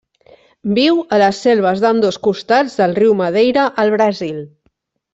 Viu a les selves d'ambdós costats del riu Madeira al Brasil.